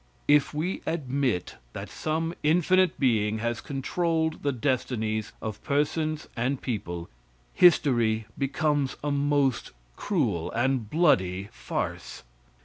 If we admit that some infinite being has controlled the destinies of persons and people, history becomes a most cruel and bloody farce.